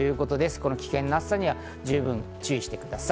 危険な暑さに十分注意してください。